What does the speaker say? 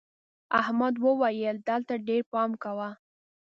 احمد وويل: دلته ډېر پام کوه.